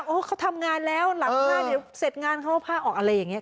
เขาทำงานแล้วหลังผ้าเดี๋ยวเสร็จงานเขาเอาผ้าออกอะไรอย่างนี้